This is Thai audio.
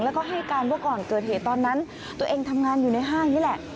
แล้วก็ให้การว่าก่อนเกิดเหตุตอนนั้นตัวเองทำงานอยู่ในห้างนี่แหละ